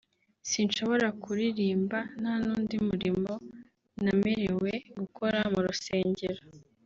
sinshobora kuririmba nta n’undi murimo namerewe gukora mu rusengero